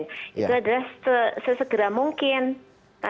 itu adalah sesegera mungkin